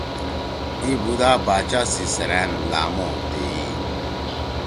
ای بودا باچا سی سیرأن لامو دییی۔